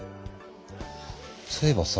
そういえばさ。